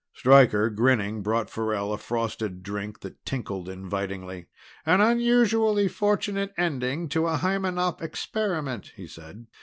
Stryker, grinning, brought Farrell a frosted drink that tinkled invitingly. "An unusually fortunate ending to a Hymenop experiment," he said.